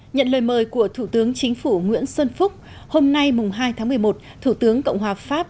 nhận lời mời của thủ tướng chính phủ nguyễn xuân phúc hôm nay hai tháng một mươi một thủ tướng cộng hòa pháp